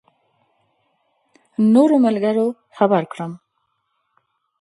نورو ملګرو خبر کړم.